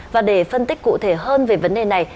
và để phân tích cụ thể hơn về vấn đề này